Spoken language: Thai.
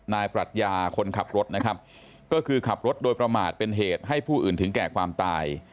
ปรัชญาคนขับรถนะครับก็คือขับรถโดยประมาทเป็นเหตุให้ผู้อื่นถึงแก่ความตาย